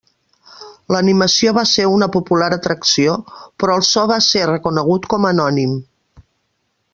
L'animació va ser una popular atracció, però el so va ser reconegut com a anònim.